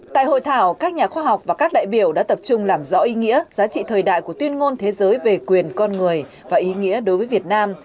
tại hội thảo các nhà khoa học và các đại biểu đã tập trung làm rõ ý nghĩa giá trị thời đại của tuyên ngôn thế giới về quyền con người và ý nghĩa đối với việt nam